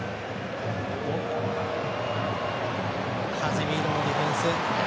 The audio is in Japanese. カゼミーロのディフェンス。